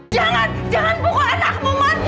jangan jangan buka anakmu man